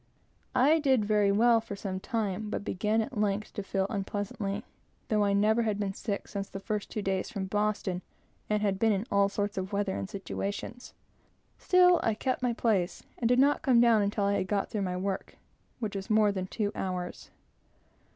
I did very well for some time, but began at length to feel very unpleasantly, though I had never been sick since the first two days from Boston, and had been in all sorts of weather and situations. Still, I kept my place, and did not come down, until I had got through my work, which was more than two hours.